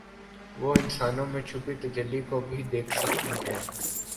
وہ انسانوں میں چھپی تجلی کو بھی دیکھ سکتی ہیں